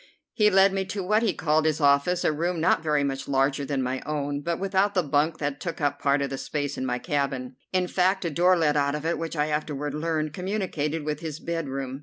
He led me to what he called his office, a room not very much larger than my own, but without the bunk that took up part of the space in my cabin; in fact a door led out of it which, I afterward learned, communicated with his bedroom.